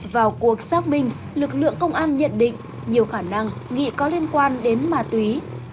vào cuộc xác minh lực lượng công an nhận định nhiều khả năng nghị có liên quan đến ma túy